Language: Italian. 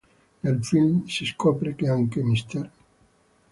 Nel film si scopre che anche Mr.